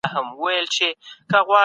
په دې څېړنه کي بېلابېل ځايونه شامل وو.